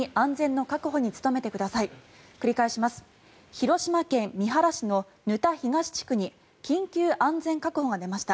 広島県三原市の沼田東地区に緊急完全確保が出ました。